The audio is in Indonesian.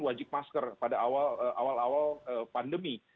wajib masker pada awal awal pandemi